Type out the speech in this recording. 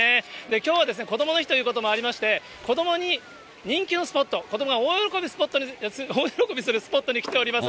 きょうは、こどもの日ということもありまして、子どもに人気のスポット、子どもが大喜びするスポットに来ております。